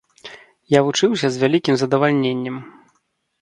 Я вучыўся з вялікім задавальненнем.